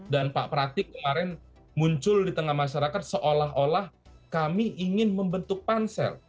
dan pak pratik kemarin muncul di tengah masyarakat seolah olah kami ingin membentuk pansel